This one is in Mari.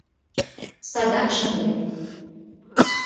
Садак шындем.